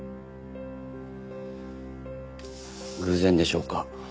偶然でしょうか。